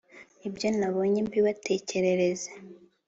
ibyo nabonye mbibatekerereze.